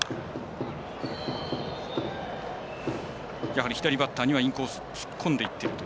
やはり左バッターにはインコース突っ込んでいってる。